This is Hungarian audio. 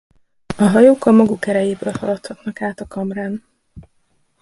A hajók a maguk erejéből haladhatnak át a kamrán.